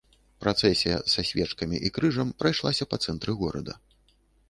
Працэсія са свечкамі і крыжам прайшлася па цэнтры горада.